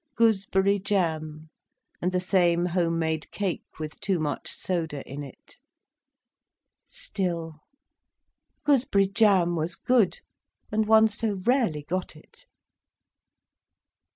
Gooseberry jam, and the same home made cake with too much soda in it! Still, gooseberry jam was good, and one so rarely got it.